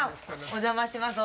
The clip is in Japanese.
お邪魔します。